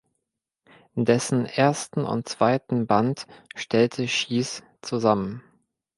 Dessen ersten und zweiten Band stellte Schiess zusammen.